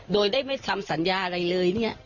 โดยได้ไม่ทำสัญญาอะไรเลยเนี่ย